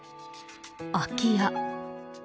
空き家。